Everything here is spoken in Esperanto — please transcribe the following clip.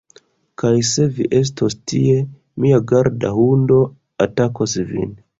Kaj se vi estos tie, mia garda hundo atakos vin